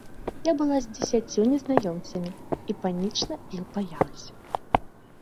Я была з дзесяццю незнаёмцамі і панічна іх баялася.